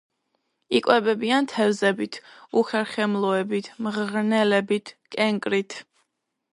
იკვებებიან თევზებით, უხერხემლოებით, მღრღნელებით, კენკრით.